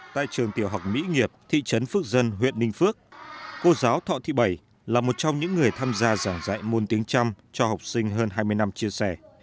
tại trường tiểu học mỹ nghiệp thị trấn phước dân huyện ninh phước cô giáo thọ thị bảy là một trong những người tham gia giảng dạy môn tiếng trăm cho học sinh hơn hai mươi năm chia sẻ